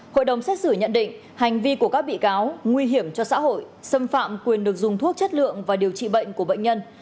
hội đồng xét xử nhận định hành vi của các bị cáo nguy hiểm cho xã hội xâm phạm quyền được dùng thuốc chất lượng và điều trị bệnh của bệnh nhân